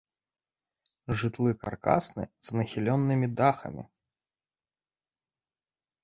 Жытлы каркасныя з нахіленымі дахамі.